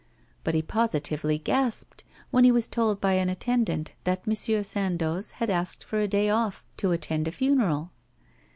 But he positively gasped when he was told by an attendant that M. Sandoz had asked for a day off to attend a funeral.